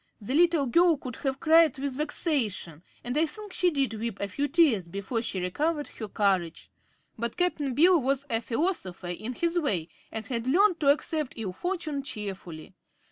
The little girl could have cried with vexation, and I think she did weep a few tears before she recovered her courage; but Cap'n Bill was a philosopher, in his way, and had learned to accept ill fortune cheerfully.